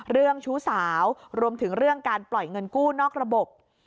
เรื่องชู้สาวรวมถึงเรื่องการปล่อยเงินกู้นอกระบบ